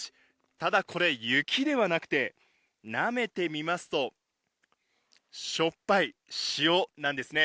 ただ、これ、雪ではなくて、なめてみますと、しょっぱい、塩なんですね。